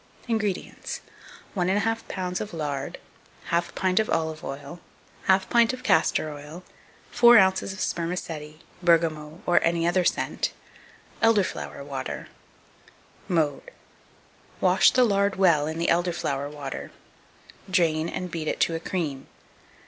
2256. INGREDIENTS. 1 1/2 lb. of lard, 1/2 pint of olive oil, 1/2 pint of castor oil, 4 oz. of spermaceti, bergamot, or any other scent; elder flower water. Mode. Wash the lard well in the elder flower water; drain, and beat it to a cream.